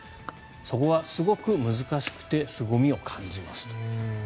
そこってすごく難しくてすごみを感じますと。